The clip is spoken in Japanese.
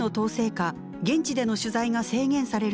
下現地での取材が制限される